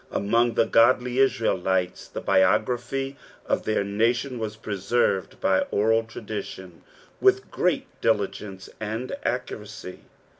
Among the podlj Israelites iho biography of their nation was pruBerved by oral tradition, with great diligence and accuracy.